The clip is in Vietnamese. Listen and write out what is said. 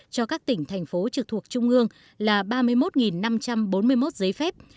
cho các tỉnh thành phố trực thuộc trung ương là ba mươi một năm trăm bốn mươi một giấy phép